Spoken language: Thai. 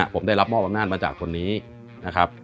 ผมได้รับมอบอำนาจมาจากคนนี้นะครับ